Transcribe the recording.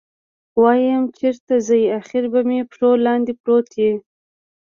ويم چېرې ځې اخېر به مې پښو لاندې پروت يې.